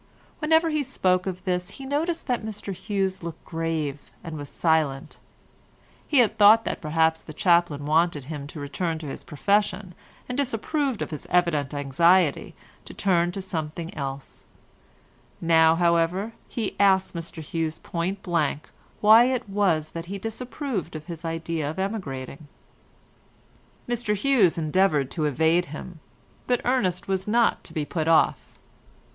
Whenever he spoke of this he noticed that Mr Hughes looked grave and was silent: he had thought that perhaps the chaplain wanted him to return to his profession, and disapproved of his evident anxiety to turn to something else; now, however, he asked Mr Hughes point blank why it was that he disapproved of his idea of emigrating. Mr Hughes endeavoured to evade him, but Ernest was not to be put off.